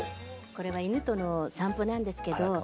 これは犬との散歩なんですけど。